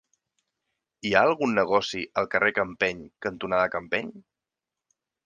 Hi ha algun negoci al carrer Campeny cantonada Campeny?